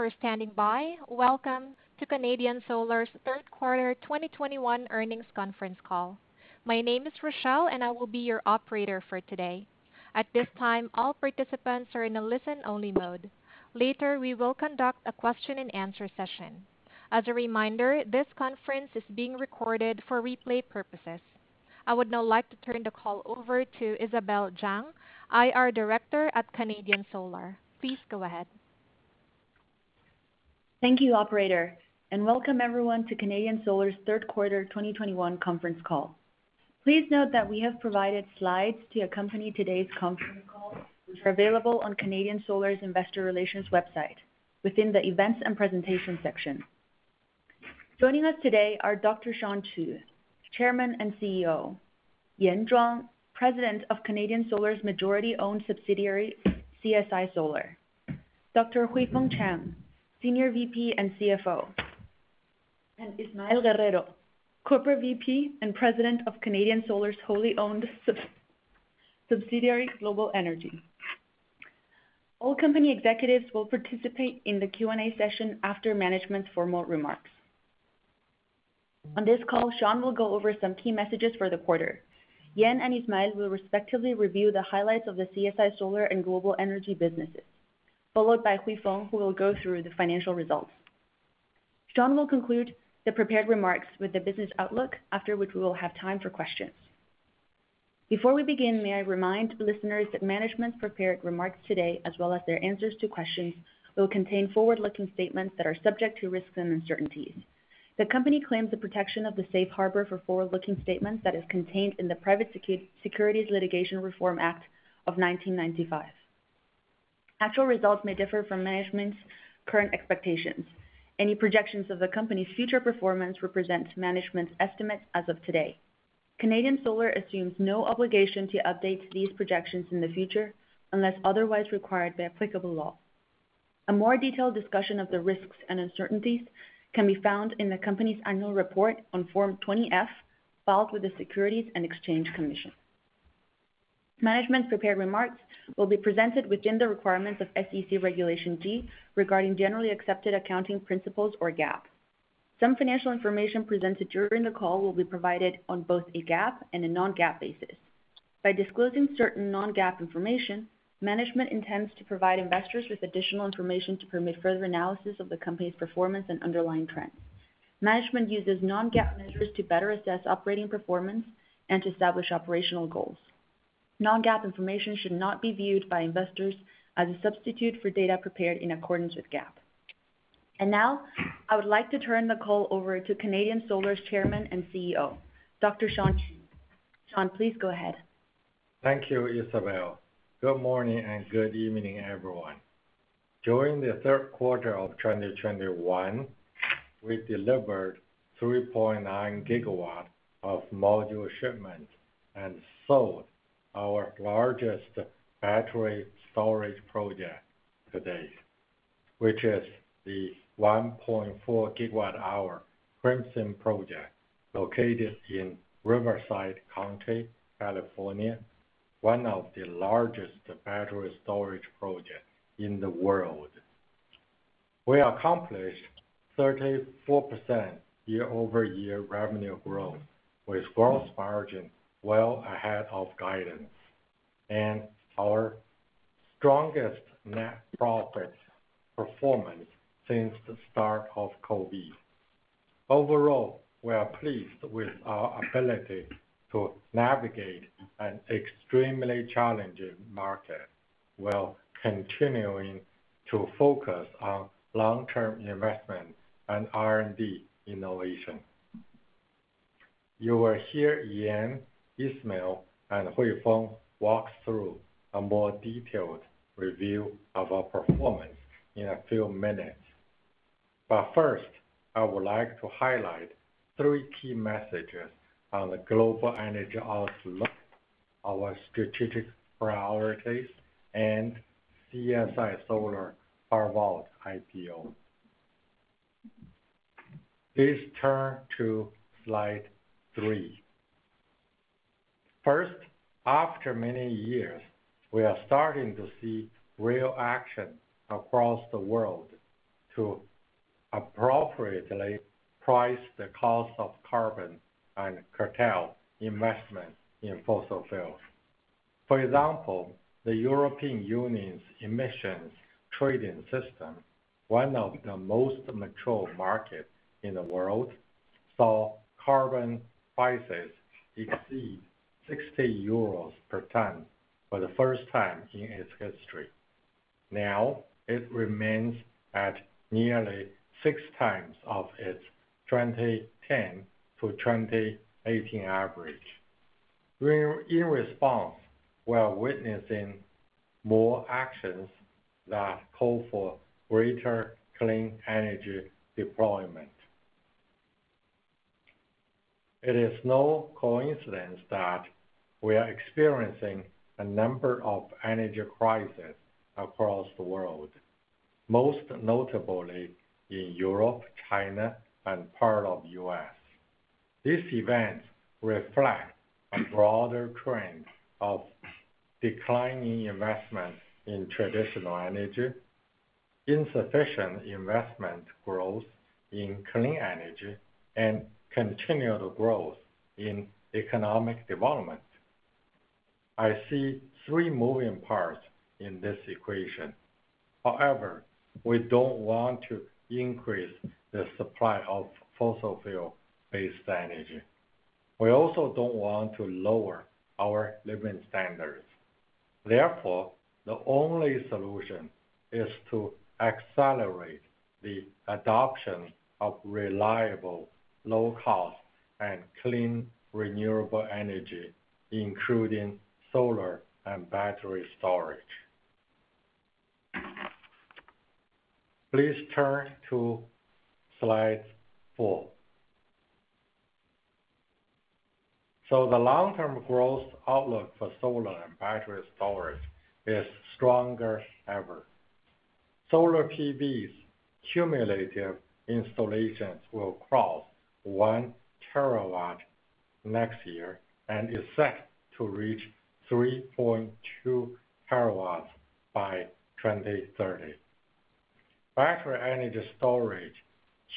Thank you for standing by. Welcome to Canadian Solar's third quarter 2021 earnings conference call. My name is Rochelle, and I will be your operator for today. At this time, all participants are in a listen-only mode. Later, we will conduct a question-and-answer session. As a reminder, this conference is being recorded for replay purposes. I would now like to turn the call over to Isabel Zhang, IR Director at Canadian Solar. Please go ahead. Thank you, operator, and welcome everyone to Canadian Solar's third quarter 2021 conference call. Please note that we have provided slides to accompany today's conference call, which are available on Canadian Solar's investor relations website within the Events and Presentation section. Joining us today are Dr. Shawn Qu, Chairman and CEO, Yan Zhuang, President of Canadian Solar's majority-owned subsidiary, CSI Solar, Dr. Huifeng Chang, Senior VP and CFO, and Ismael Guerrero, Corporate VP and President of Canadian Solar's wholly-owned subsidiary, Global Energy. All company executives will participate in the Q&A session after management's formal remarks. On this call, Shawn will go over some key messages for the quarter. Yan and Ismael will respectively review the highlights of the CSI Solar and Global Energy businesses, followed by Huifeng, who will go through the financial results. Shawn will conclude the prepared remarks with the business outlook, after which we will have time for questions. Before we begin, may I remind listeners that management's prepared remarks today, as well as their answers to questions, will contain forward-looking statements that are subject to risks and uncertainties. The company claims the protection of the safe harbor for forward-looking statements that is contained in the Private Securities Litigation Reform Act of 1995. Actual results may differ from management's current expectations. Any projections of the company's future performance represent management's estimates as of today. Canadian Solar assumes no obligation to update these projections in the future unless otherwise required by applicable law. A more detailed discussion of the risks and uncertainties can be found in the company's annual report on Form 20-F, filed with the Securities and Exchange Commission. Management's prepared remarks will be presented within the requirements of SEC Regulation G regarding generally accepted accounting principles or GAAP. Some financial information presented during the call will be provided on both a GAAP and a non-GAAP basis. By disclosing certain non-GAAP information, management intends to provide investors with additional information to permit further analysis of the company's performance and underlying trends. Management uses non-GAAP measures to better assess operating performance and to establish operational goals. Non-GAAP information should not be viewed by investors as a substitute for data prepared in accordance with GAAP. Now, I would like to turn the call over to Canadian Solar's Chairman and CEO, Dr. Shawn Qu. Shawn, please go ahead. Thank you, Isabel. Good morning and good evening, everyone. During the third quarter of 2021, we delivered 3.9 GW of module shipments and sold our largest battery storage project to date, which is the 1.4 GWh Crimson project located in Riverside County, California, one of the largest battery storage projects in the world. We accomplished 34% year-over-year revenue growth, with gross margin well ahead of guidance and our strongest net profit performance since the start of COVID. Overall, we are pleased with our ability to navigate an extremely challenging market while continuing to focus on long-term investment and R&D innovation. You will hear Yan, Ismael, and Huifeng walk through a more detailed review of our performance in a few minutes. First, I would like to highlight three key messages on the global energy outlook, our strategic priorities, and CSI Solar's STAR Market IPO. Please turn to slide three. First, after many years, we are starting to see real action across the world to appropriately price the cost of carbon and curtail investment in fossil fuels. For example, the European Union's Emissions Trading System, one of the most mature markets in the world, saw carbon prices exceed 60 euros per ton for the first time in its history. Now it remains at nearly 6x of its 2010 to 2018 average. In response, we are witnessing more actions that call for greater clean energy deployment. It is no coincidence that we are experiencing a number of energy crises across the world, most notably in Europe, China, and parts of the U.S. This event reflects a broader trend of declining investment in traditional energy, insufficient investment growth in clean energy, and continual growth in economic development. I see three moving parts in this equation. However, we don't want to increase the supply of fossil fuel-based energy. We also don't want to lower our living standards. Therefore, the only solution is to accelerate the adoption of reliable, low-cost, and clean renewable energy, including solar and battery storage. Please turn to slide four. The long-term growth outlook for solar and battery storage is stronger than ever. Solar PVs cumulative installations will cross 1 TW next year and is set to reach 3.2 TW by 2030. Battery energy storage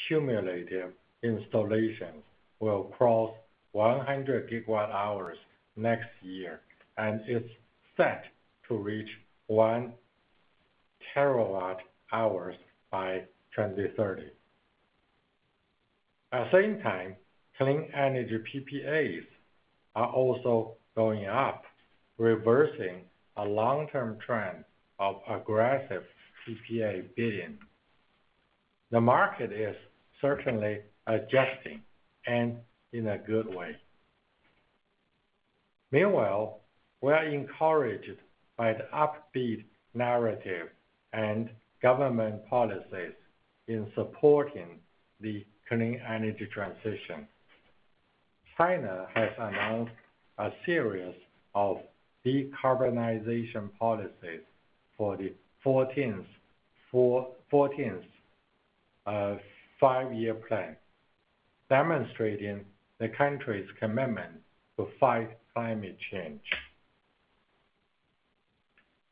cumulative installations will cross 100 GWh next year and is set to reach 1 TWh by 2030. At the same time, clean energy PPAs are also going up, reversing a long-term trend of aggressive PPA bidding. The market is certainly adjusting and in a good way. Meanwhile, we are encouraged by the upbeat narrative and government policies in supporting the clean energy transition. China has announced a series of decarbonization policies for the 14th five-year plan, demonstrating the country's commitment to fight climate change.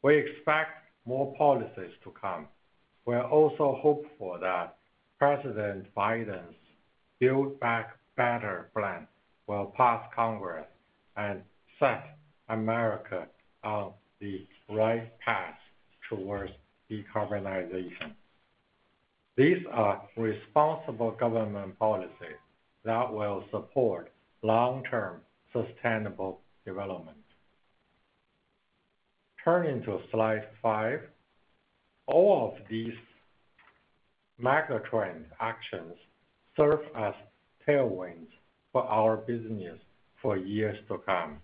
We expect more policies to come. We are also hopeful that President Biden's Build Back Better plan will pass Congress and set America on the right path towards decarbonization. These are responsible government policies that will support long-term sustainable development. Turning to slide five. All of these megatrend actions serve as tailwinds for our business for years to come.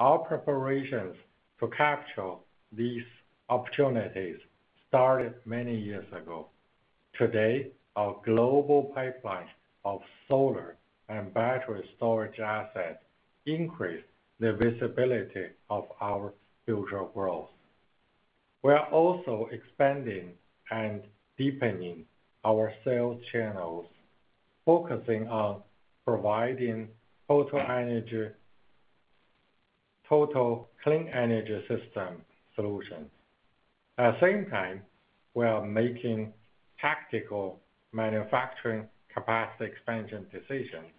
Our preparations to capture these opportunities started many years ago. Today, our global pipelines of solar and battery storage assets increase the visibility of our future growth. We are also expanding and deepening our sales channels, focusing on providing total clean energy system solutions. At the same time, we are making tactical manufacturing capacity expansion decisions,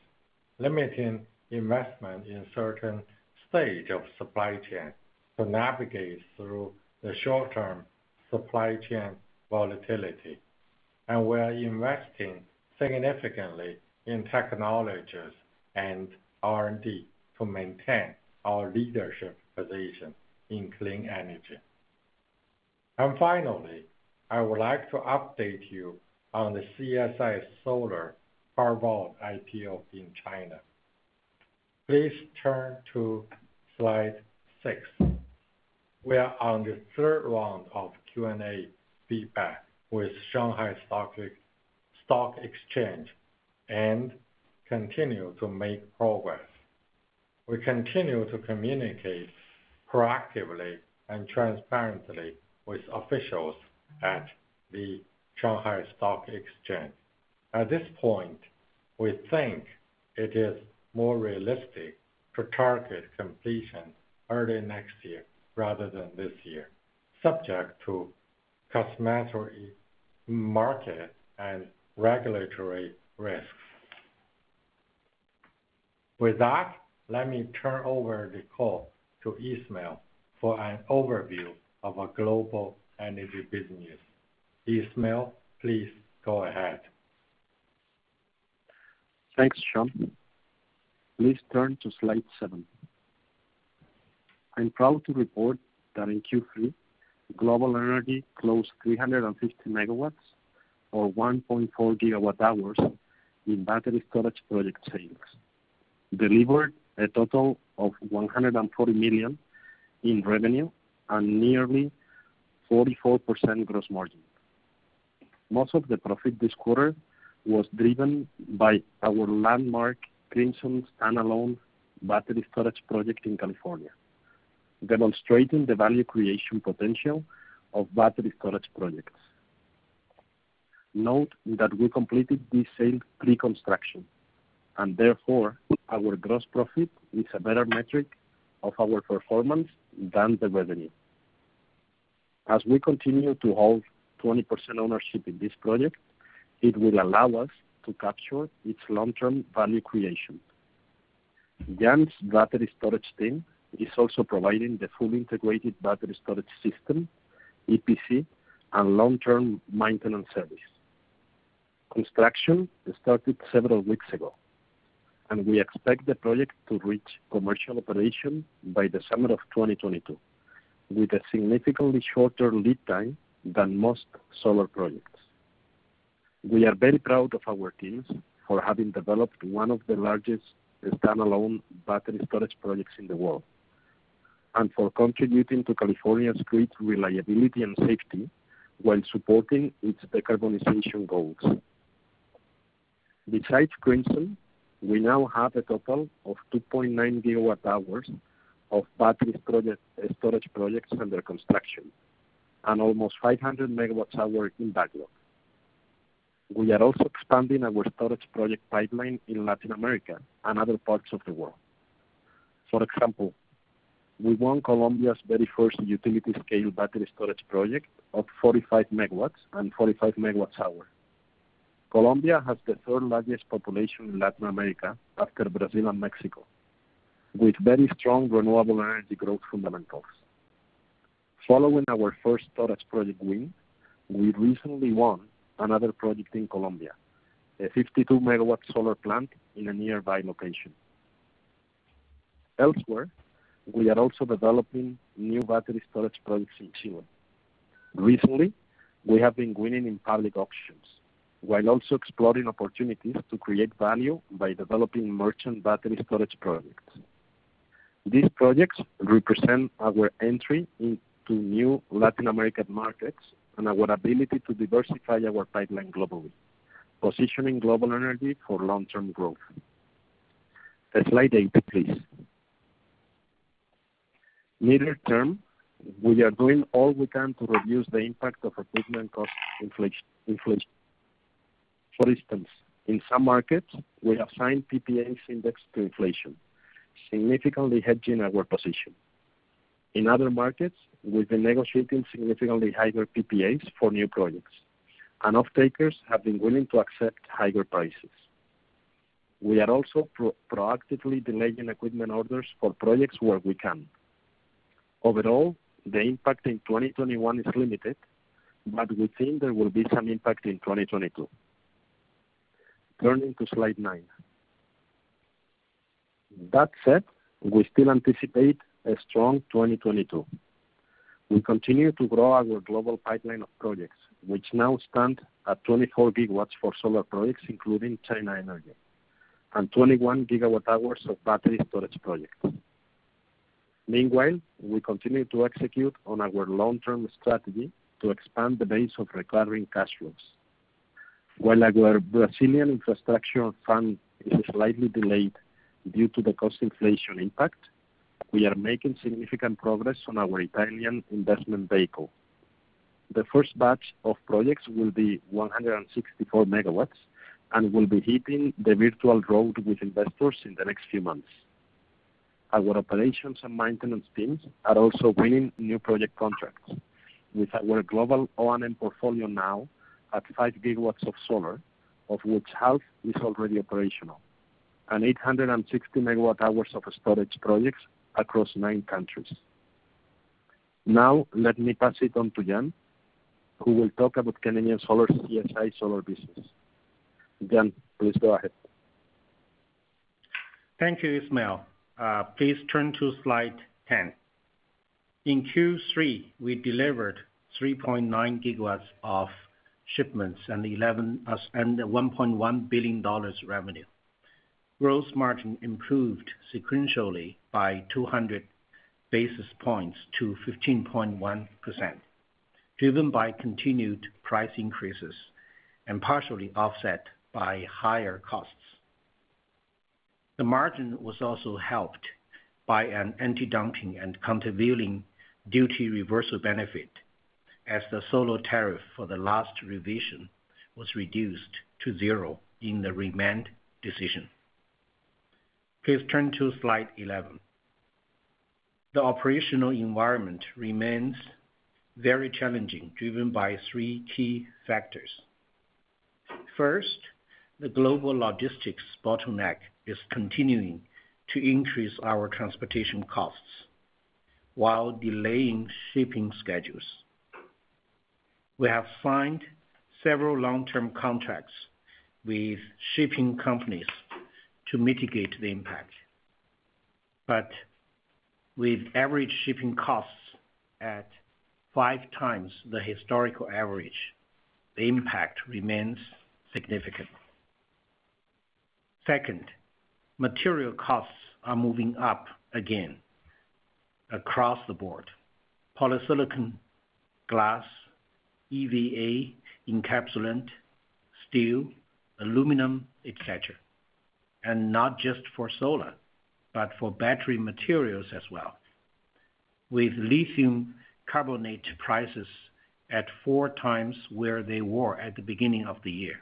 limiting investment in certain stage of supply chain to navigate through the short-term supply chain volatility. We are investing significantly in technologies and R&D to maintain our leadership position in clean energy. Finally, I would like to update you on the CSI Solar's IPO in China. Please turn to slide six. We are on the third round of Q&A feedback with Shanghai Stock Exchange and continue to make progress. We continue to communicate proactively and transparently with officials at the Shanghai Stock Exchange. At this point, we think it is more realistic to target completion early next year rather than this year, subject to customary market and regulatory risks. With that, let me turn over the call to Ismael for an overview of our Global Energy business. Ismael, please go ahead. Thanks, Shawn. Please turn to slide seven. I'm proud to report that in Q3, Global Energy closed 350 MW or 1.4 GWh in battery storage project sales, delivered a total of $140 million in revenue and nearly 44% gross margin. Most of the profit this quarter was driven by our landmark Crimson standalone battery storage project in California, demonstrating the value creation potential of battery storage projects. Note that we completed this sale pre-construction, and therefore, our gross profit is a better metric of our performance than the revenue. As we continue to hold 20% ownership in this project, it will allow us to capture its long-term value creation. Yan's battery storage team is also providing the full integrated battery storage system, EPC, and long-term maintenance service. Construction started several weeks ago, and we expect the project to reach commercial operation by the summer of 2022, with a significantly shorter lead time than most solar projects. We are very proud of our teams for having developed one of the largest standalone battery storage projects in the world, and for contributing to California's grid reliability and safety while supporting its decarbonization goals. Besides Crimson, we now have a total of 2.9 GWh of battery storage projects under construction, and almost 500 MWh in backlog. We are also expanding our storage project pipeline in Latin America and other parts of the world. For example, we won Colombia's very first utility-scale battery storage project of 45 MW and 45 MWh. Colombia has the third-largest population in Latin America after Brazil and Mexico, with very strong renewable energy growth fundamentals. Following our first storage project win, we recently won another project in Colombia, a 52 MW solar plant in a nearby location. Elsewhere, we are also developing new battery storage projects in Chile. Recently, we have been winning in public auctions, while also exploring opportunities to create value by developing merchant battery storage projects. These projects represent our entry into new Latin American markets and our ability to diversify our pipeline globally, positioning Global Energy for long-term growth. Slide eight, please. Near-term, we are doing all we can to reduce the impact of equipment cost inflation. For instance, in some markets, we have signed PPAs indexed to inflation, significantly hedging our position. In other markets, we've been negotiating significantly higher PPAs for new projects, and off-takers have been willing to accept higher prices. We are also proactively delaying equipment orders for projects where we can. Overall, the impact in 2021 is limited, but we think there will be some impact in 2022. Turning to slide nine. That said, we still anticipate a strong 2022. We continue to grow our global pipeline of projects, which now stands at 24 GW for solar projects, including China Energy, and 21 GWh of battery storage projects. Meanwhile, we continue to execute on our long-term strategy to expand the base of recurring cash flows. While our Brazilian infrastructure fund is slightly delayed due to the cost inflation impact, we are making significant progress on our Italian investment vehicle. The first batch of projects will be 164 MW and will be hitting the virtual road with investors in the next few months. Our operations and maintenance teams are also winning new project contracts with our global O&M portfolio now at 5 GW of solar, of which half is already operational, and 860 MWh of storage projects across nine countries. Now let me pass it on to Yan, who will talk about Canadian Solar's CSI Solar business. Yan, please go ahead. Thank you, Ismael. Please turn to slide 10. In Q3, we delivered 3.9 GW of shipments and $1.1 billion revenue. Gross margin improved sequentially by 200 basis points to 15.1%, driven by continued price increases and partially offset by higher costs. The margin was also helped by an antidumping and countervailing duty reversal benefit as the solar tariff for the last revision was reduced to zero in the remand decision. Please turn to slide 11. The operational environment remains very challenging, driven by three key factors. First, the global logistics bottleneck is continuing to increase our transportation costs while delaying shipping schedules. We have signed several long-term contracts with shipping companies to mitigate the impact. With average shipping costs at 5x the historical average, the impact remains significant. Second, material costs are moving up again across the board. Polysilicon, glass, EVA, encapsulant, steel, aluminum, etc. Not just for solar, but for battery materials as well. With lithium carbonate prices at 4x where they were at the beginning of the year.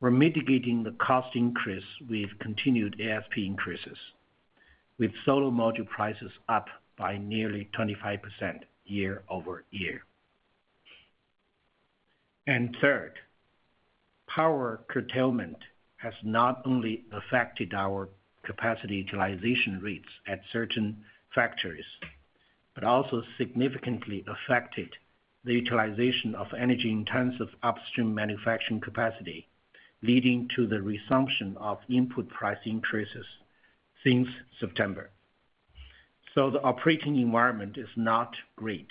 We're mitigating the cost increase with continued ASP increases, with solar module prices up by nearly 25% year-over-year. Third, power curtailment has not only affected our capacity utilization rates at certain factories, but also significantly affected the utilization of energy-intensive upstream manufacturing capacity, leading to the resumption of input price increases since September. The operating environment is not great,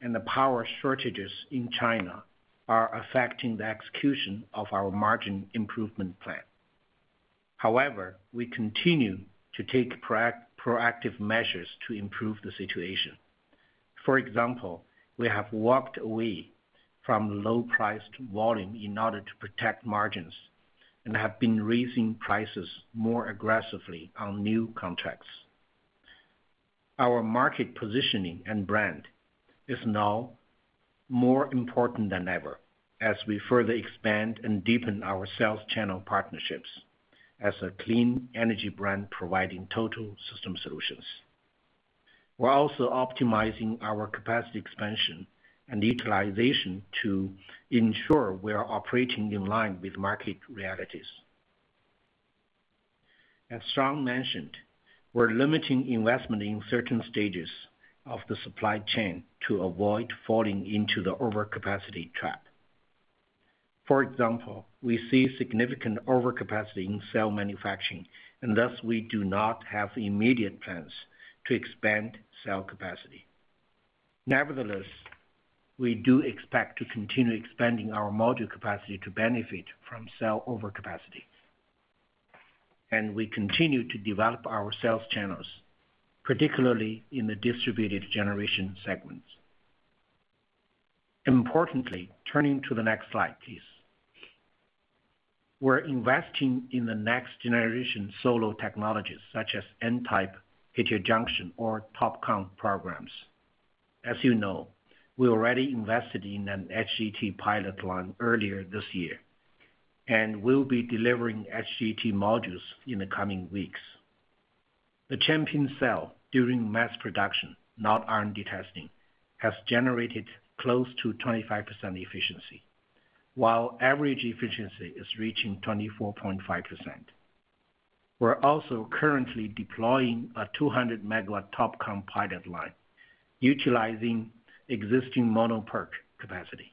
and the power shortages in China are affecting the execution of our margin improvement plan. However, we continue to take proactive measures to improve the situation. For example, we have walked away from low-priced volume in order to protect margins and have been raising prices more aggressively on new contracts. Our market positioning and brand is now more important than ever as we further expand and deepen our sales channel partnerships as a clean energy brand providing total system solutions. We're also optimizing our capacity expansion and utilization to ensure we are operating in line with market realities. As Shawn mentioned, we're limiting investment in certain stages of the supply chain to avoid falling into the overcapacity trap. For example, we see significant overcapacity in cell manufacturing, and thus we do not have immediate plans to expand cell capacity. Nevertheless, we do expect to continue expanding our module capacity to benefit from cell overcapacity. We continue to develop our sales channels, particularly in the distributed generation segments. Importantly, turning to the next slide, please. We're investing in the next-generation solar technologies such as N-type heterojunction or TOPCon programs. As you know, we already invested in an HJT pilot line earlier this year, and we'll be delivering HJT modules in the coming weeks. The champion cell during mass production, not R&D testing, has generated close to 25% efficiency, while average efficiency is reaching 24.5%. We're also currently deploying a 200 MW TOPCon pilot line utilizing existing mono PERC capacity.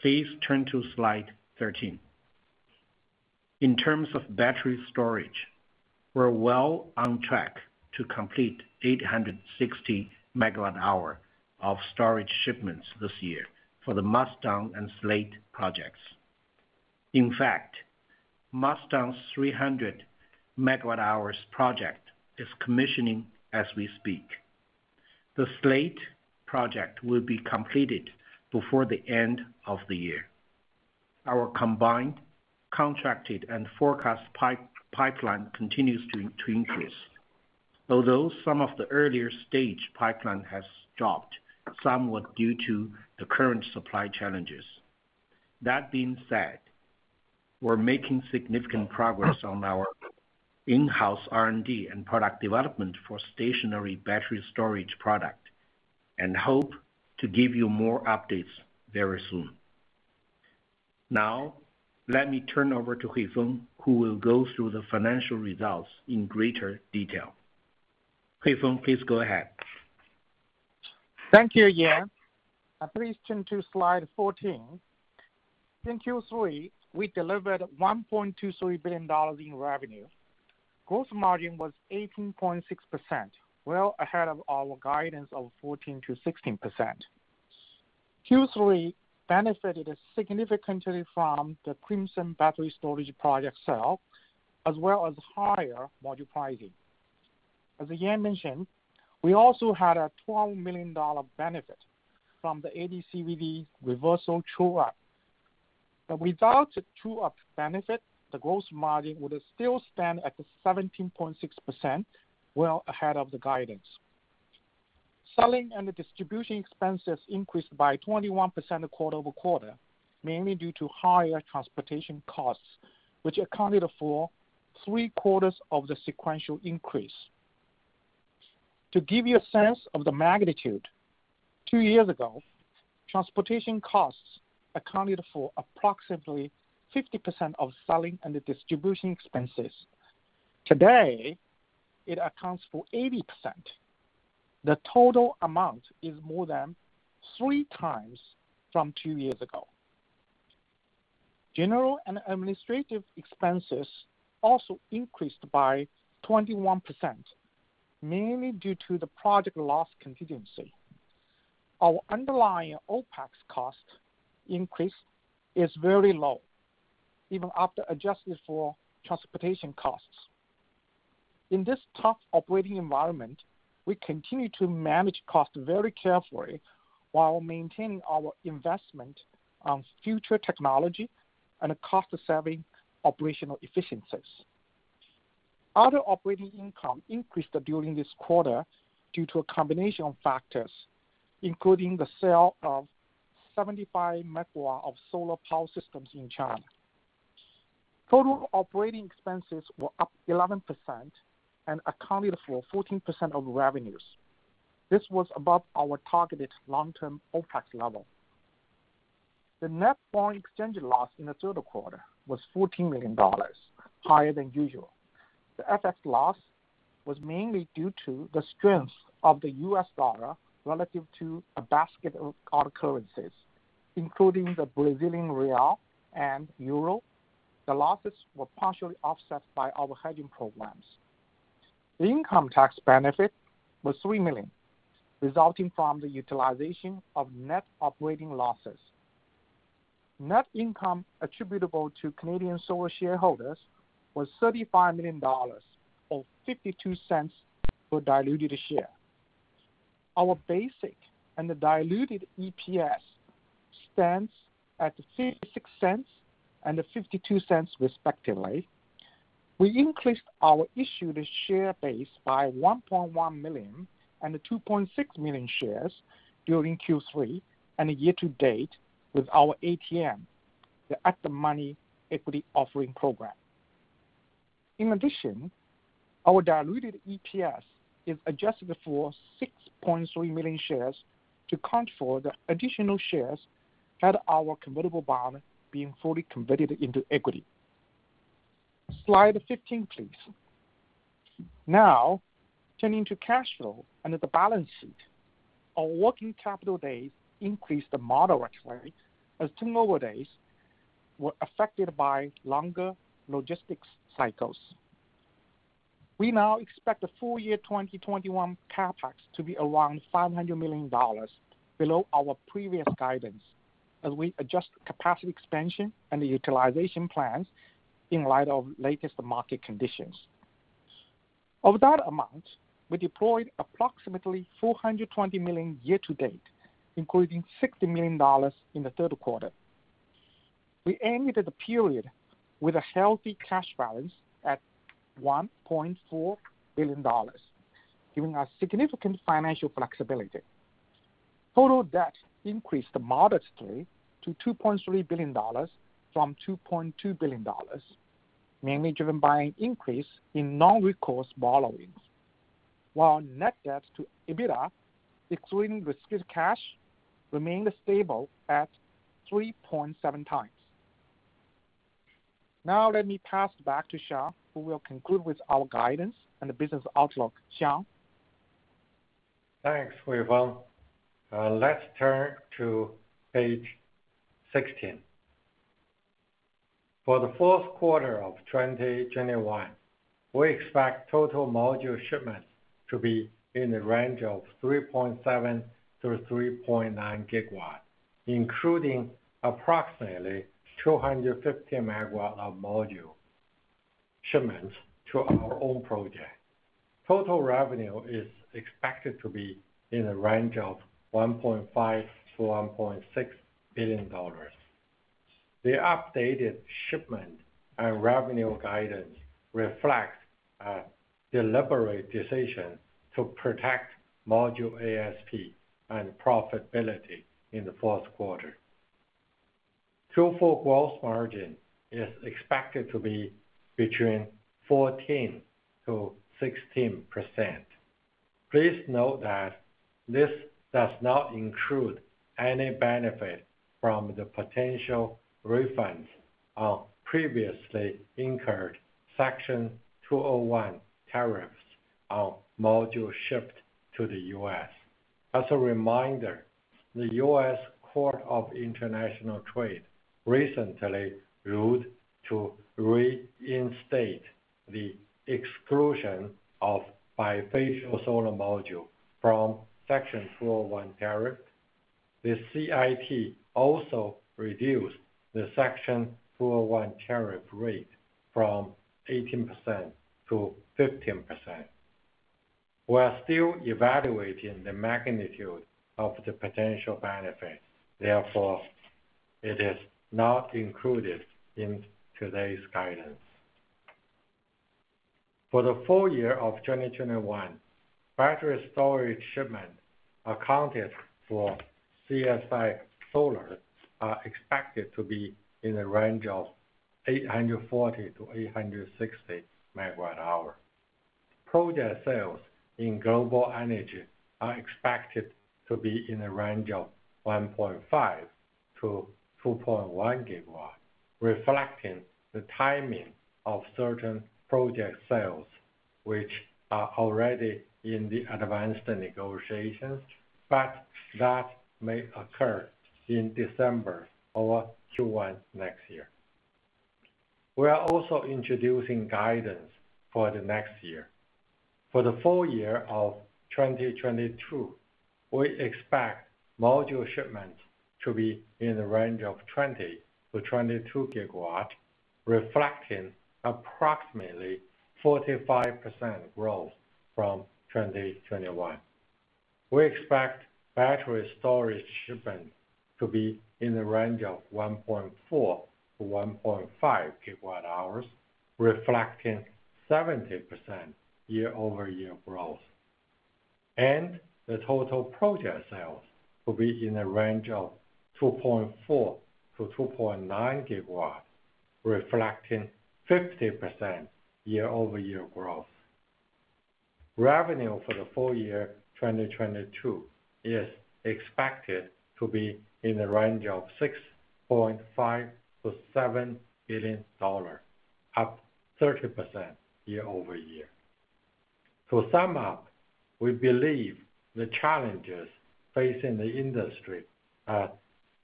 Please turn to slide 13. In terms of battery storage, we're well on track to complete 860 MWh of storage shipments this year for the Mustang and Slate projects. In fact, Mustang's 300 MWh project is commissioning as we speak. The Slate project will be completed before the end of the year. Our combined contracted and forecast pipeline continues to increase, although some of the earlier stage pipeline has dropped somewhat due to the current supply challenges. That being said, we're making significant progress on our in-house R&D and product development for stationary battery storage product and hope to give you more updates very soon. Now, let me turn over to Huifeng, who will go through the financial results in greater detail. Huifeng, please go ahead. Thank you, Yan. Please turn to slide 14. In Q3, we delivered $1.23 billion in revenue. Gross margin was 18.6%, well ahead of our guidance of 14%-16%. Q3 benefited significantly from the Crimson battery storage project sale, as well as higher module pricing. As Yan mentioned, we also had a $12 million benefit from the AD/CVD reversal true-up. Without the true-up benefit, the gross margin would still stand at 17.6%, well ahead of the guidance. Selling and distribution expenses increased by 21% quarter-over-quarter, mainly due to higher transportation costs, which accounted for three-quarters of the sequential increase. To give you a sense of the magnitude, two years ago, transportation costs accounted for approximately 50% of selling and distribution expenses. Today, it accounts for 80%. The total amount is more than 3x from two years ago. General and administrative expenses also increased by 21%, mainly due to the project loss contingency. Our underlying OpEx cost increase is very low, even after adjusting for transportation costs. In this tough operating environment, we continue to manage costs very carefully. While maintaining our investment on future technology and cost-saving operational efficiencies. Other operating income increased during this quarter due to a combination of factors, including the sale of 75 MW of solar power systems in China. Total operating expenses were up 11% and accounted for 14% of revenues. This was above our targeted long-term OpEx level. The net foreign exchange loss in the third quarter was $14 million, higher than usual. The FX loss was mainly due to the strength of the U.S. dollar relative to a basket of our currencies, including the Brazilian real and euro. The losses were partially offset by our hedging programs. The income tax benefit was $3 million, resulting from the utilization of net operating losses. Net income attributable to Canadian Solar shareholders was $35 million, or $0.52 per diluted share. Our basic and the diluted EPS stands at $0.56 and $0.52, respectively. We increased our issued share base by 1.1 million and 2.6 million shares during Q3 and year to date with our ATM, the At-the-Money Equity Offering Program. In addition, our diluted EPS is adjusted for 6.3 million shares to account for the additional shares at our convertible bond being fully converted into equity. Slide 15, please. Now, turning to cash flow and the balance sheet. Our working capital days increased moderately as turnover days were affected by longer logistics cycles. We now expect the full year 2021 CapEx to be around $500 million, below our previous guidance, as we adjust capacity expansion and utilization plans in light of latest market conditions. Of that amount, we deployed approximately $420 million year to date, including $60 million in the third quarter. We ended the period with a healthy cash balance at $1.4 billion, giving us significant financial flexibility. Total debt increased modestly to $2.3 billion from $2.2 billion, mainly driven by an increase in non-recourse borrowings, while net debt to EBITDA, excluding restricted cash, remained stable at 3.7x. Now let me pass it back to Shawn, who will conclude with our guidance and business outlook. Shawn? Thanks, Huifeng. Let's turn to page 16. For the fourth quarter of 2021, we expect total module shipments to be in the range of 3.7 GW-3.9 GW, including approximately 250 MW of module shipments to our own project. Total revenue is expected to be in the range of $1.5 billion-$1.6 billion. The updated shipment and revenue guidance reflects a deliberate decision to protect module ASP and profitability in the fourth quarter. Q4 gross margin is expected to be between 14%-16%. Please note that this does not include any benefit from the potential refunds of previously incurred Section 201 tariffs on modules shipped to the U.S. As a reminder, the U.S. Court of International Trade recently ruled to reinstate the exclusion of bifacial solar modules from Section 201 tariff. The CIT also reduced the Section 201 tariff rate from 18% to 15%. We are still evaluating the magnitude of the potential benefits, therefore, it is not included in today's guidance. For the full year of 2021, battery storage shipments for CSI Solar are expected to be in the range of 840 MWh-860 MWh. Project sales in Global Energy are expected to be in the range of 1.5 GW-2.1 GW, reflecting the timing of certain project sales, which are already in advanced negotiations, but that may occur in December or Q1 next year. We are also introducing guidance for the next year. For the full year of 2022, we expect module shipments to be in the range of 20 GW-22 GW, reflecting approximately 45% growth from 2021. We expect battery storage shipments to be in the range of 1.4 GWh-1.5 GWh, reflecting 70% year-over-year growth. The total project sales to be in the range of 2.4 GW-2.9 GW, reflecting 50% year-over-year growth. Revenue for the full year 2022 is expected to be in the range of $6.5 billion-$7 billion, up 30% year-over-year. To sum up, we believe the challenges facing the industry are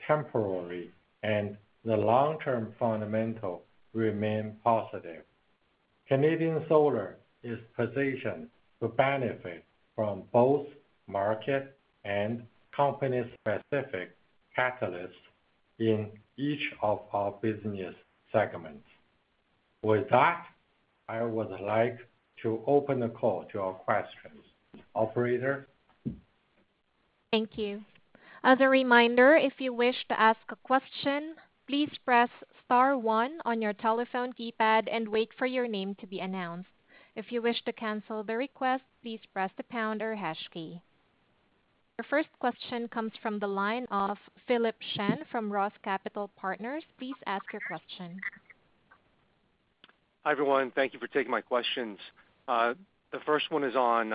temporary, and the long-term fundamental remain positive. Canadian Solar is positioned to benefit from both market and company-specific catalysts in each of our business segments. With that, I would like to open the call to our questions. Operator? Thank you. As a reminder, if you wish to ask a question, please press star one on your telephone keypad and wait for your name to be announced. If you wish to cancel the request, please press the pound or hash key. Your first question comes from the line of Philip Shen from Roth Capital Partners. Please ask your question. Hi, everyone. Thank you for taking my questions. The first one is on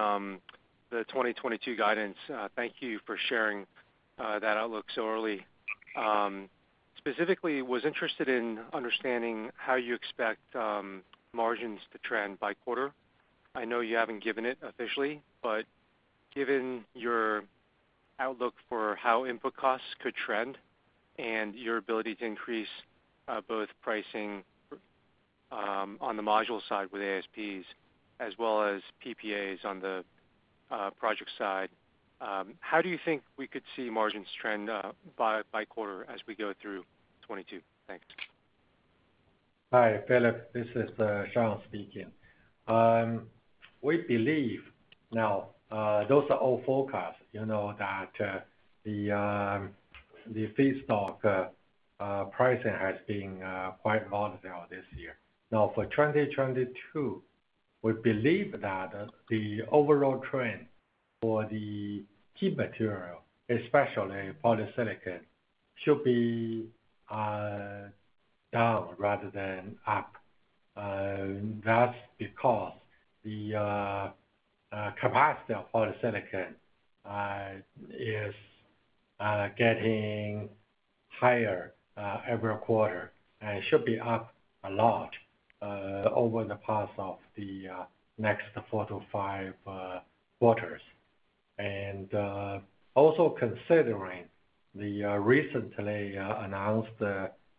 the 2022 guidance. Thank you for sharing that outlook so early. Specifically, I was interested in understanding how you expect margins to trend by quarter. I know you haven't given it officially, but given your outlook for how input costs could trend and your ability to increase both pricing on the module side with ASPs as well as PPAs on the project side, how do you think we could see margins trend by quarter as we go through 2022? Thanks. Hi, Philip. This is Shawn speaking. We believe now those are all forecasts, you know, that the feedstock pricing has been quite volatile this year. Now for 2022, we believe that the overall trend for the key material, especially polysilicon, should be down rather than up. That's because the capacity of polysilicon is getting higher every quarter, and it should be up a lot over the course of the next four to five quarters. Also considering the recently announced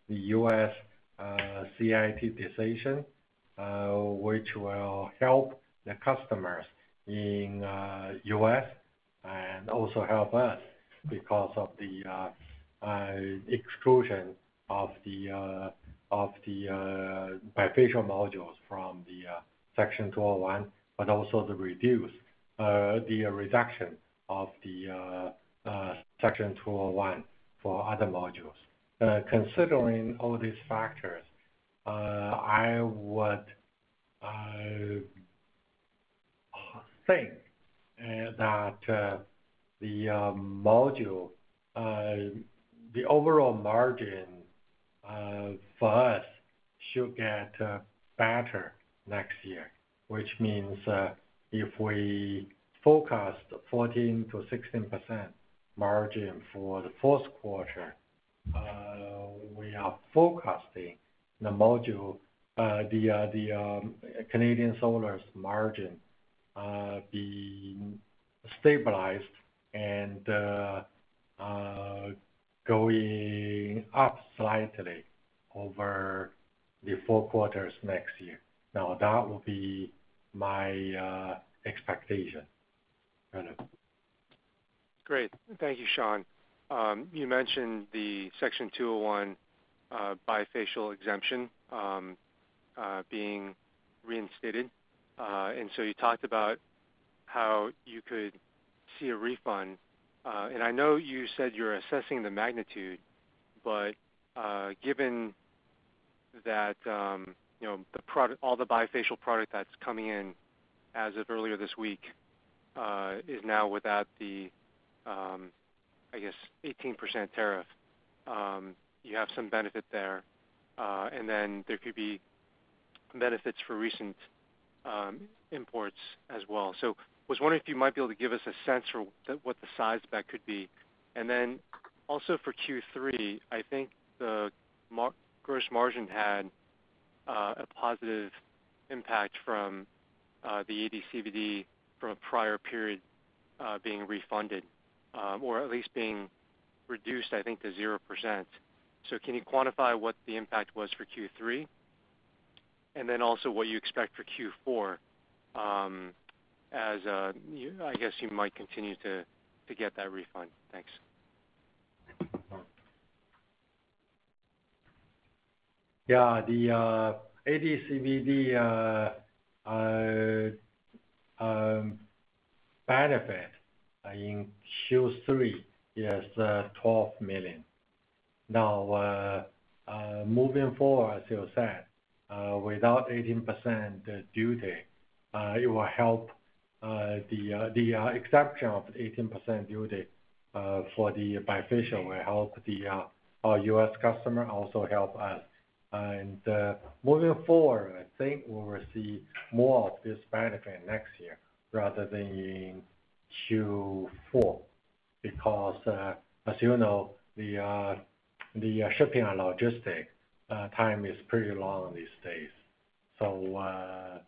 U.S. CIT decision, which will help the customers in U.S. and also help us because of the exclusion of the bifacial modules from the Section 201, but also the reduction of the Section 201 for other modules. Considering all these factors, I would think that the overall module margin for us should get better next year, which means, if we forecast 14%-16% margin for the fourth quarter, we are forecasting Canadian Solar's module margin being stabilized and going up slightly over the four quarters next year. Now that would be my expectation, Philip. Great. Thank you, Shawn. You mentioned the Section 201 bifacial exemption being reinstated. You talked about how you could see a refund. I know you said you're assessing the magnitude, but given that, you know, all the bifacial product that's coming in as of earlier this week is now without the, I guess 18% tariff, you have some benefit there. There could be benefits for recent imports as well. I was wondering if you might be able to give us a sense for what the size of that could be. For Q3, I think the gross margin had a positive impact from the AD/CVD from a prior period being refunded or at least being reduced, I think, to 0%. Can you quantify what the impact was for Q3? What you expect for Q4 as I guess you might continue to get that refund? Thanks. Yeah, the AD/CVD benefit in Q3 is $12 million. Now, moving forward, as you said, without 18% duty, it will help, the exception of 18% duty for the bifacial will help our U.S. customer, also help us. Moving forward, I think we'll receive more of this benefit next year rather than in Q4, because, as you know, the shipping and logistics time is pretty long these days. The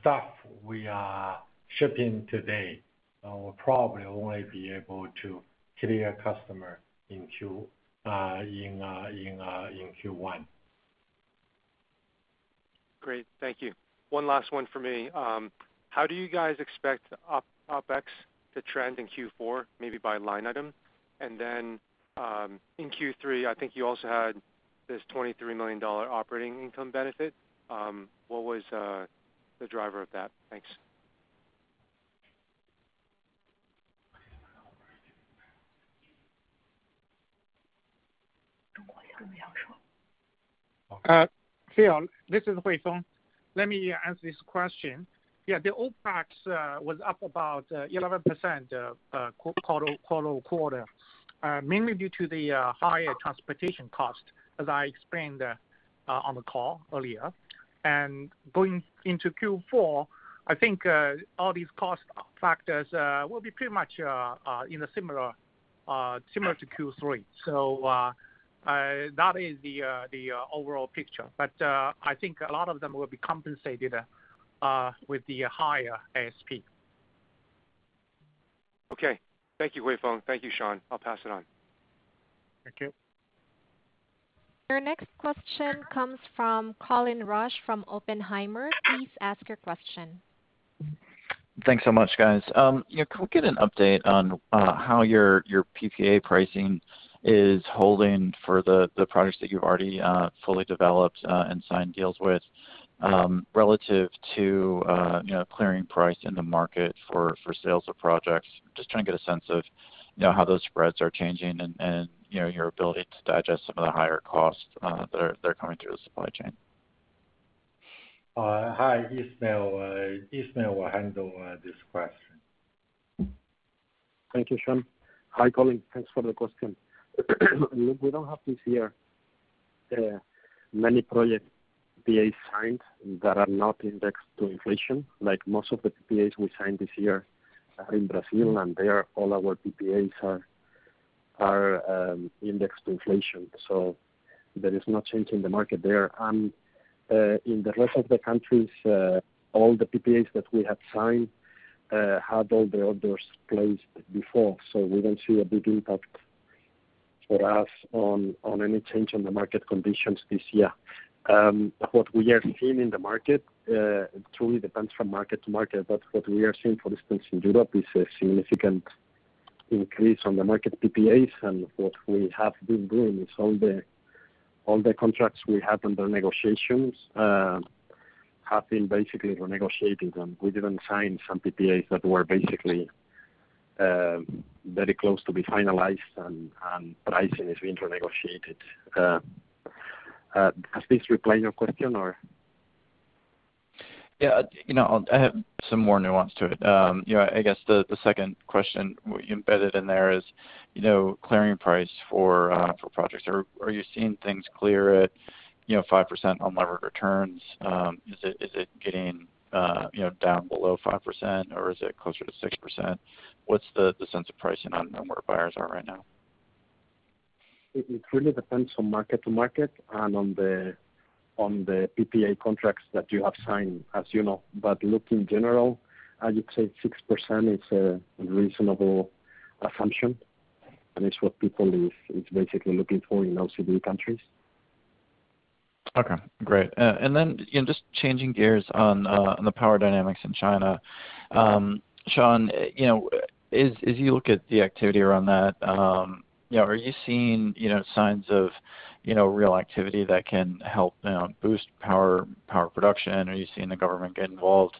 stuff we are shipping today will probably only be able to clear customs in Q1. Great. Thank you. One last one for me. How do you guys expect OpEx to trend in Q4, maybe by line item? In Q3, I think you also had this $23 million operating income benefit. What was the driver of that? Thanks. Phil, this is Huifeng. Let me answer this question. Yeah, the OpEx was up about 11% quarter-over-quarter. Mainly due to the higher transportation cost, as I explained on the call earlier. Going into Q4, I think all these cost factors will be pretty much in a similar to Q3. That is the overall picture. I think a lot of them will be compensated with the higher ASP. Okay. Thank you, Huifeng. Thank you, Shawn. I'll pass it on. Thank you. Your next question comes from Colin Rusch from Oppenheimer. Please ask your question. Thanks so much, guys. Yeah, can we get an update on how your PPA pricing is holding for the products that you've already fully developed and signed deals with, relative to, you know, clearing price in the market for sales of projects? Just trying to get a sense of, you know, how those spreads are changing and, you know, your ability to digest some of the higher costs that are coming through the supply chain. Hi, Ismael will handle this question. Thank you, Shawn. Hi, Colin. Thanks for the question. Look, we don't have this year many project PPAs signed that are not indexed to inflation. Like most of the PPAs we signed this year are in Brazil, and they're all indexed to inflation. There is no change in the market there. In the rest of the countries, all the PPAs that we have signed had all the orders placed before. We don't see a big impact for us on any change in the market conditions this year. What we are seeing in the market, it truly depends from market to market. What we are seeing, for instance, in Europe, is a significant increase on the market PPAs. What we have been doing is all the contracts we have under negotiations have been basically renegotiating them. We even signed some PPAs that were basically very close to be finalized and pricing is being renegotiated. Has this replied to your question or? Yeah, you know, I have some more nuance to it. You know, I guess the second question embedded in there is, you know, clearing price for projects. Are you seeing things clearing at, you know, 5% unlevered returns? Is it getting, you know, down below 5% or is it closer to 6%? What's the sense of pricing on where buyers are right now? It really depends from market to market and on the PPA contracts that you have signed, as you know. Look, in general, I would say 6% is a reasonable assumption, and it's what people is basically looking for in OECD countries. Okay, great. Just changing gears on the power dynamics in China. Shawn, you know, as you look at the activity around that, you know, are you seeing signs of real activity that can help boost power production? Are you seeing the government get involved?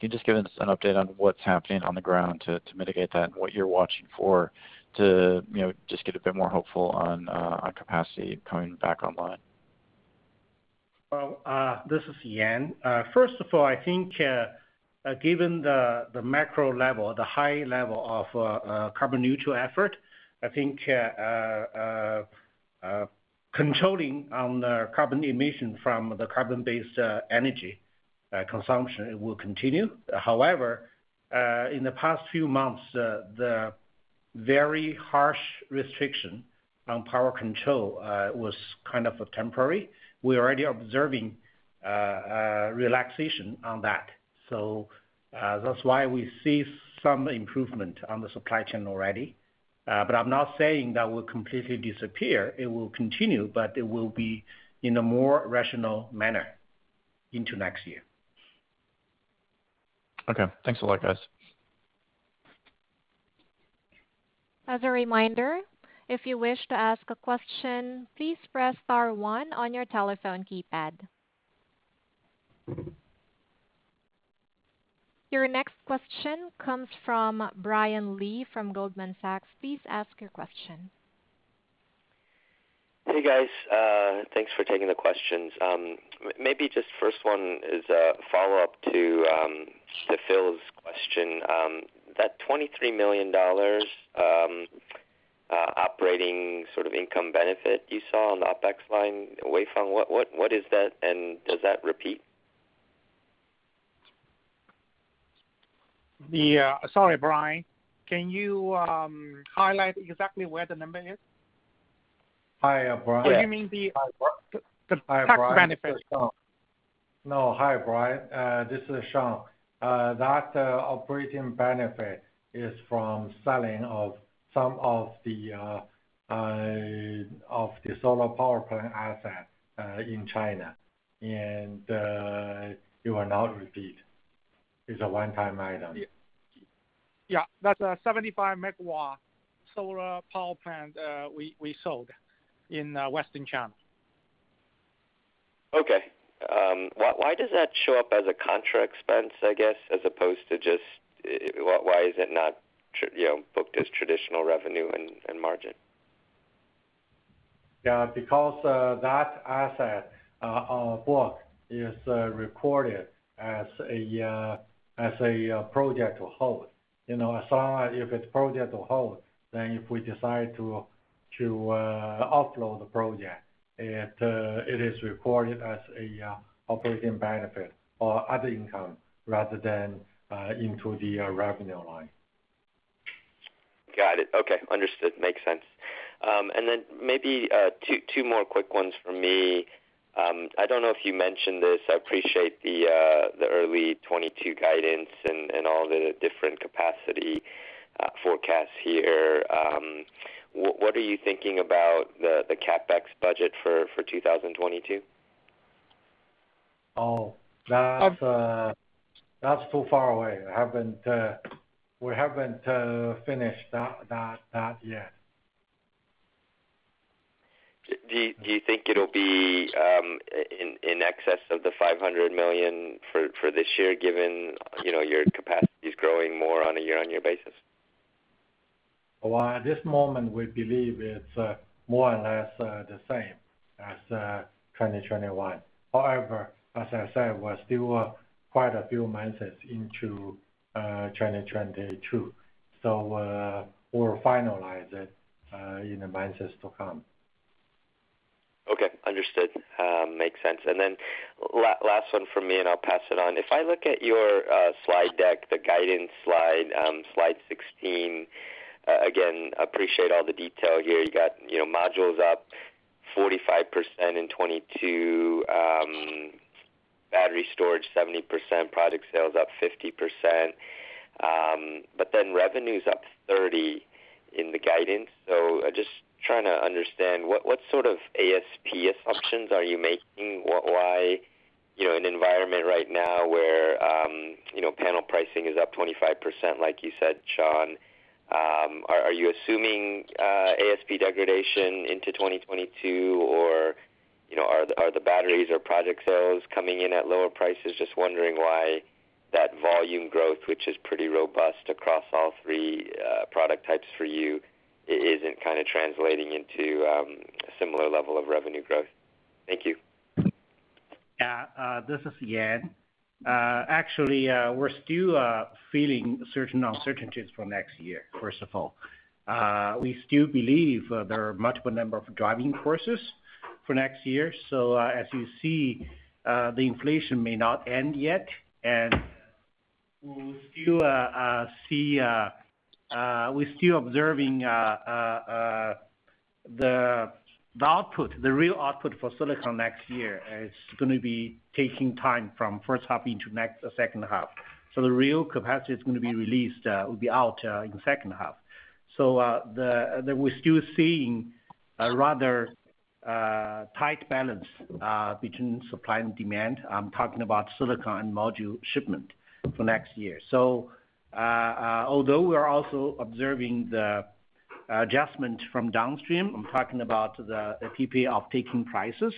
Can you just give us an update on what's happening on the ground to mitigate that and what you're watching for to just get a bit more hopeful on capacity coming back online? Well, this is Yan. First of all, I think, given the macro level, the high level of controlling on the carbon emission from the carbon-based energy consumption will continue. However, in the past few months, the very harsh restriction on power control was kind of a temporary. We're already observing relaxation on that. That's why we see some improvement on the supply chain already. I'm not saying that will completely disappear. It will continue, but it will be in a more rational manner into next year. Okay. Thanks a lot, guys. As a reminder, if you wish to ask a question, please press star one on your telephone keypad. Your next question comes from Brian Lee from Goldman Sachs. Please ask your question. Hey, guys. Thanks for taking the questions. Maybe just first one is a follow-up to Philip's question. That $23 million operating sort of income benefit you saw on the OpEx line, Huifeng, what is that, and does that repeat? Sorry, Brian, can you highlight exactly where the number is? Hi, Brian. Do you mean the tax benefit? No. Hi, Brian. This is Shawn. That operating benefit is from selling of some of the solar power plant asset in China. It will not repeat. It's a one-time item. Yeah. That's a 75 MW solar power plant we sold in Western China. Okay. Why does that show up as a contra expense, I guess, as opposed to just why is it not, you know, booked as traditional revenue and margin? Yeah. Because that asset book is recorded as a project to hold. You know, as long as if it's project to hold, then if we decide to offload the project, it is recorded as an operating benefit or other income rather than into the revenue line. Got it. Okay. Understood. Makes sense. Then maybe two more quick ones from me. I don't know if you mentioned this. I appreciate the early 2022 guidance and all the different capacity forecasts here. What are you thinking about the CapEx budget for 2022? Oh, that's too far away. We haven't finished that yet. Do you think it'll be in excess of $500 million for this year given, you know, your capacity is growing more on a year-on-year basis? Well, at this moment, we believe it's more or less the same as 2021. However, as I said, we're still quite a few months into 2022, so we'll finalize it in the months to come. Okay. Understood. Makes sense. Last one from me, and I'll pass it on. If I look at your slide deck, the guidance slide 16, again, appreciate all the detail here. You got, you know, modules up 45% in 2022. Battery storage 70%. Project sales up 50%. Revenue's up 30% in the guidance. Just trying to understand, what sort of ASP assumptions are you making? Why you know, an environment right now where, you know, panel pricing is up 25%, like you said, Shawn, are you assuming ASP degradation into 2022 or, you know, are the batteries or project sales coming in at lower prices? Just wondering why that volume growth, which is pretty robust across all three product types for you, isn't kind of translating into a similar level of revenue growth. Thank you. This is Yan. Actually, we're still feeling certain uncertainties for next year, first of all. We still believe there are multiple number of driving forces for next year. As you see, the inflation may not end yet, and we'll still see. We're still observing the real output for silicon next year is gonna be taking time from first half into next second half. The real capacity is gonna be released, will be out in second half. We're still seeing a rather tight balance between supply and demand. I'm talking about silicon module shipment for next year. Although we are also observing the adjustment from downstream, I'm talking about the PPA offtake prices,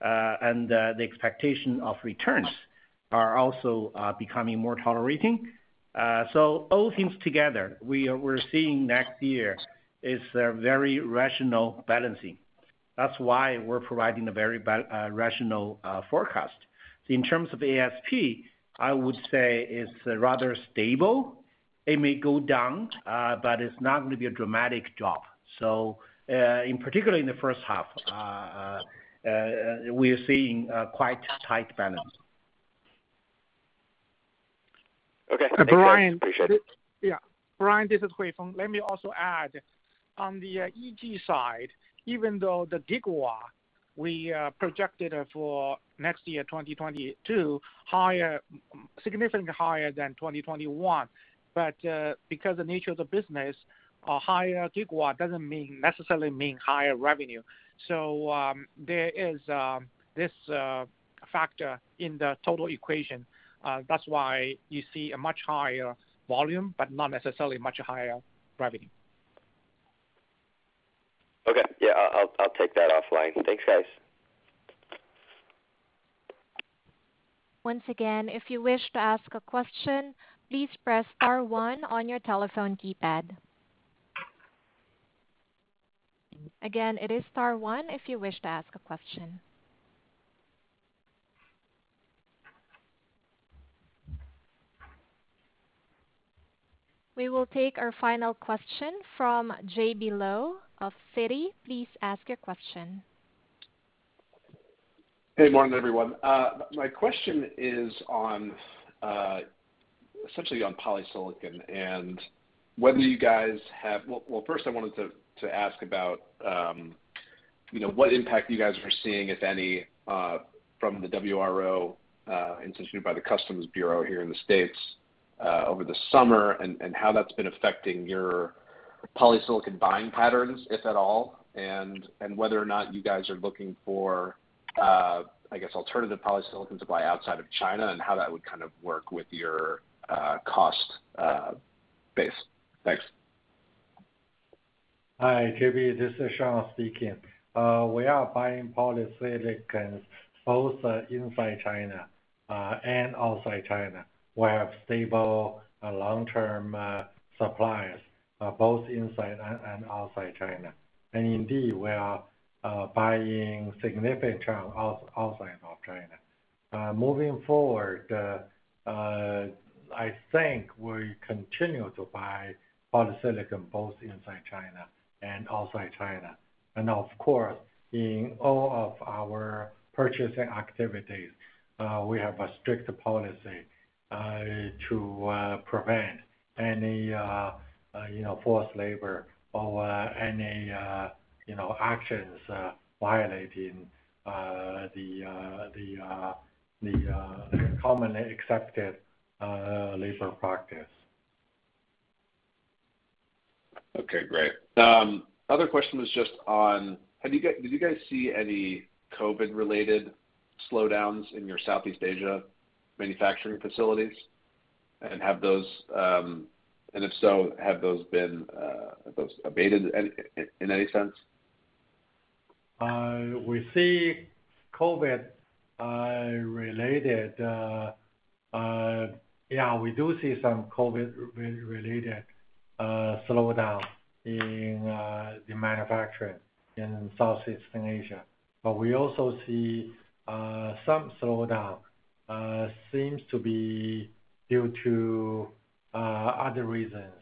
and the expectation of returns are also becoming more tolerating. All things together, we're seeing next year is a very rational balancing. That's why we're providing a very rational forecast. In terms of ASP, I would say it's rather stable. It may go down, but it's not gonna be a dramatic drop. In particular, in the first half, we're seeing a quite tight balance. Okay. Thank you. Appreciate it. Brian. Yeah. Brian, this is Huifeng. Let me also add on the EG side, even though the gigawatt we projected for next year, 2022, higher, significantly higher than 2021. Because the nature of the business, a higher gigawatt doesn't necessarily mean higher revenue. There is this factor in the total equation. That's why you see a much higher volume, but not necessarily much higher revenue. Okay. Yeah, I'll take that offline. Thanks, guys. Once again, if you wish to ask a question, please press star one on your telephone keypad. Again, it is star one if you wish to ask a question. We will take our final question from J.B. Lowe of Citi. Please ask your question. Hey, morning, everyone. My question is on essentially on polysilicon and whether you guys have. Well, first, I wanted to ask about, you know, what impact you guys are seeing, if any, from the WRO instituted by the Customs Bureau here in the States over the summer, and how that's been affecting your polysilicon buying patterns, if at all. Whether or not you guys are looking for, I guess, alternative polysilicon to buy outside of China and how that would kind of work with your cost base. Thanks. Hi, J.B. This is Shawn speaking. We are buying polysilicon both inside China and outside China. We have stable long-term suppliers both inside and outside China. Indeed, we are buying significant outside of China. Moving forward, I think we continue to buy polysilicon both inside China and outside China. Of course, in all of our purchasing activities, we have a strict policy to prevent any, you know, forced labor or any, you know, actions violating the commonly accepted labor practice. Okay, great. Other question was just on, did you guys see any COVID-related slowdowns in your Southeast Asia manufacturing facilities? If so, have those abated in any sense? We do see some COVID-related slowdown in the manufacturing in Southeast Asia. We also see some slowdown seems to be due to other reasons,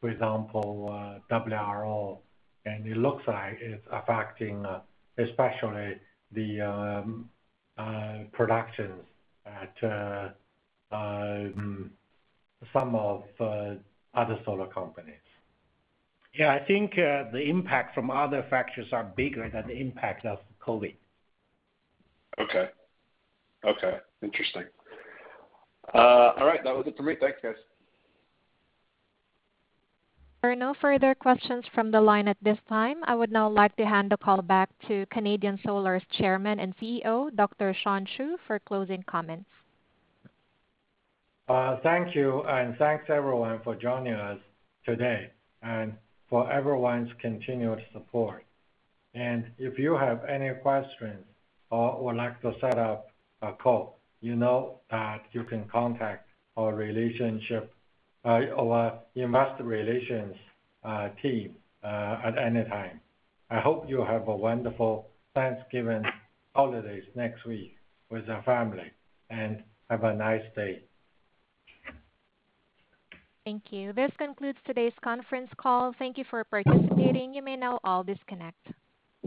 for example, WRO, and it looks like it's affecting especially the productions at some other solar companies. Yeah, I think, the impact from other factors are bigger than the impact of COVID. Okay. Okay, interesting. All right. That was it for me. Thanks, guys. There are no further questions from the line at this time. I would now like to hand the call back to Canadian Solar's Chairman and CEO, Dr. Shawn Qu, for closing comments. Thank you, and thanks, everyone, for joining us today and for everyone's continuous support. If you have any questions or would like to set up a call, you know that you can contact our investor relations team at any time. I hope you have a wonderful Thanksgiving holidays next week with your family, and have a nice day. Thank you. This concludes today's conference call. Thank you for participating. You may now all disconnect.